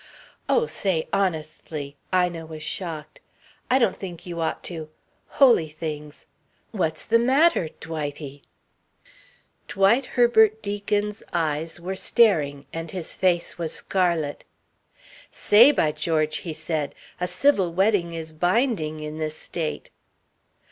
"Oh, say, honestly!" Ina was shocked. "I don't think you ought to holy things what's the matter, Dwightie?" Dwight Herbert Deacon's eyes were staring and his face was scarlet. "Say, by George," he said, "a civil wedding is binding in this state."